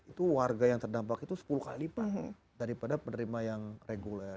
itu warga yang terdampak itu sepuluh kali pak daripada penerima yang reguler